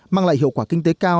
mang lại hiệu quả kinh tế cao